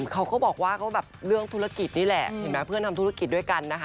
เขาก็บอกว่าก็แบบเรื่องธุรกิจนี่แหละเห็นไหมเพื่อนทำธุรกิจด้วยกันนะคะ